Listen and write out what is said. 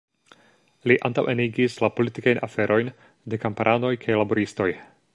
Li antaŭenigis la politikajn aferojn de kamparanoj kaj laboristoj.